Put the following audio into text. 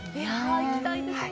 行きたいですね。